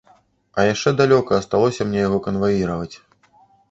А яшчэ далёка асталося мне яго канваіраваць.